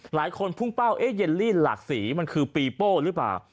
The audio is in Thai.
พุ่งเป้าเอ๊เยลลี่หลากสีมันคือปีโป้หรือเปล่า